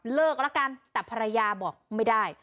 เลิกแล้วกันแต่ภรรยาบอกไม่ได้